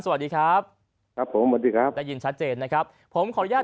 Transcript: สวัสดีครับครับผมสวัสดีครับได้ยินชัดเจนนะครับผมขออนุญาต